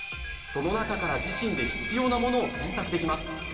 その中から自身で必要なものを選択できます。